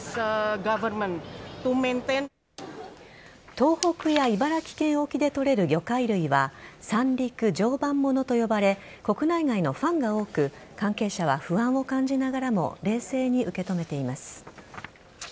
東北や茨城県沖で採れる魚介類は三陸常磐ものと呼ばれ国内外のファンが多く関係者は不安を感じながらも冷静に受け止めています。